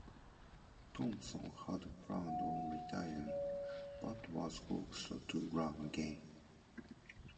Thompson had planned on retiring, but was coaxed to run again.